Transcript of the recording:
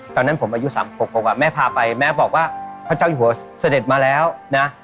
ตอนนั้นผมอายุ๓๖แม่พาไปแม่บอกว่าพระเจ้าอยู่หัวเสด็จมาแล้วนะ